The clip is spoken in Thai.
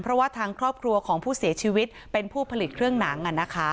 เพราะว่าทางครอบครัวของผู้เสียชีวิตเป็นผู้ผลิตเครื่องหนัง